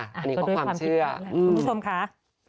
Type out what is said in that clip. อันนี้ก็ด้วยความเชื่อคุณผู้ชมค่ะ